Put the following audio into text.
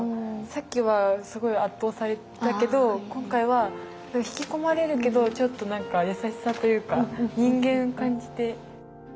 さっきはすごい圧倒されたけど今回は引き込まれるけどちょっと優しさというか人間を感じて。